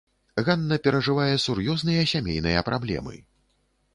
Ганна перажывае сур'ёзныя сямейныя праблемы.